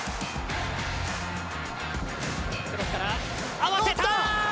合わせた！